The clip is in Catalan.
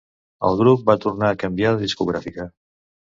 El grup va tornar a canviar de discogràfica.